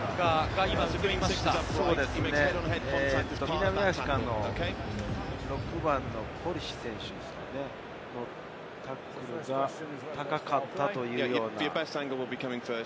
南アフリカの６番のコリシ選手ですか、タックルが高かったというような。